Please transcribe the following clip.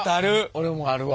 俺もあるわ。